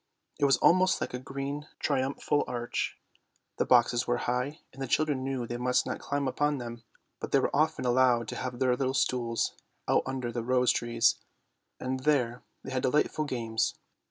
It was almost like a green triumphal arch. The boxes were high, and the children knew they must not climb up on to them, but they were often allowed to have their little stools out under the rose trees, and there they had delightful games.